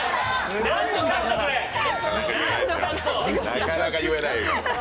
なかなか言えないよ。